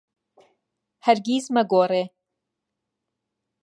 هەرگیز مەگۆڕێ.